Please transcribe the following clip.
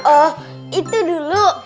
oh itu dulu